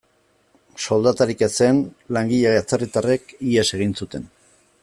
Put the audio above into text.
Soldatarik ezean, langile atzerritarrek ihes egin zuten.